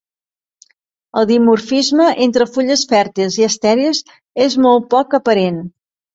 El dimorfisme entre fulles fèrtils i estèrils és molt poc aparent.